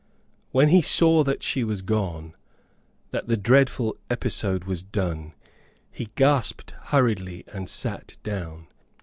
When he saw that she was gone, that the dreadful episode was done, he gasped hurriedly and sat down.